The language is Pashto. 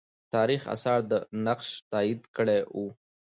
تاریخي آثار دا نقش تایید کړی وو.